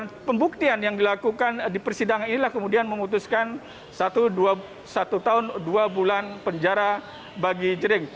pembuktian yang dilakukan di persidangan inilah kemudian memutuskan satu tahun dua bulan penjara bagi jering